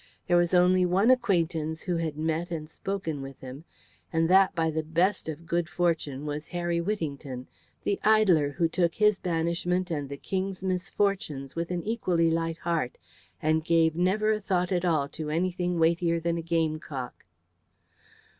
There was only one acquaintance who had met and spoken with him, and that by the best of good fortune was Harry Whittington, the idler who took his banishment and his King's misfortunes with an equally light heart, and gave never a thought at all to anything weightier than a gamecock.